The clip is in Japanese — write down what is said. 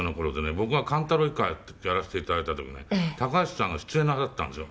僕が『貫太郎一家』やらせて頂いた時ね高橋さんが出演なさったんですよ。